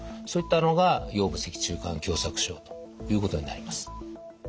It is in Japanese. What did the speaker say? そういったのが腰部脊柱管狭窄症ということになります。